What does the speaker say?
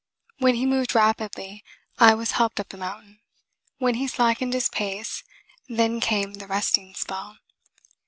When he moved rapidly, I was helped up the mountain. When he slackened his pace, then came the resting spell.